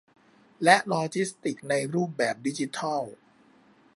และโลจิสติกส์ในรูปแบบดิจิทัล